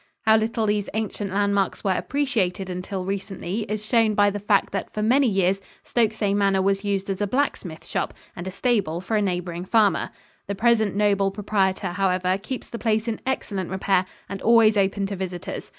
How little these ancient landmarks were appreciated until recently is shown by the fact that for many years Stokesay Manor was used as a blacksmith shop and a stable for a neighboring farmer. The present noble proprietor, however, keeps the place in excellent repair and always open to visitors.